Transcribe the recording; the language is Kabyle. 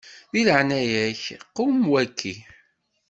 Di leɛnaya-k qwem waki.